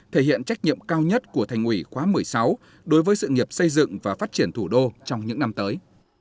thể hiện trách nhiệm cao nhất của thành ủy khóa một mươi sáu đối với sự nghiệp xây dựng và phát triển thủ đô trong những năm tới